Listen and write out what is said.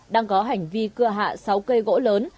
đang có hành vi cưa hạ sáu cây gỗ lớn